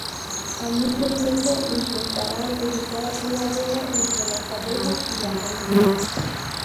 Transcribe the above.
Al mismo tiempo, intentarán evitar una guerra entre las abejas y las avispas.